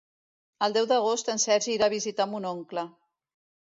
El deu d'agost en Sergi irà a visitar mon oncle.